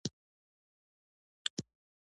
چې زه خو په مدرسه کښې سبقان وايم.